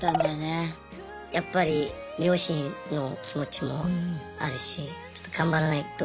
やっぱり両親の気持ちもあるしちょっと頑張らないと。